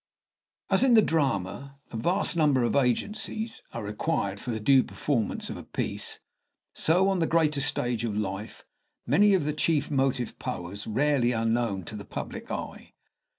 As in the drama a vast number of agencies are required for the due performance of a piece, so, on the greater stage of life, many of the chief motive powers rarely are known to the public eye.